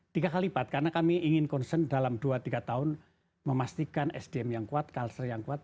tiga kali lipat karena kami ingin concern dalam dua tiga tahun memastikan sdm yang kuat culture yang kuat